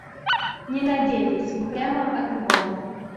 Не надейтесь, мы прямо от него.